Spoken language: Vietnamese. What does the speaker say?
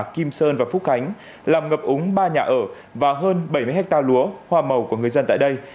kim sơn và phúc khánh làm ngập úng ba nhà ở và hơn bảy mươi hectare lúa hoa màu của người dân tại đây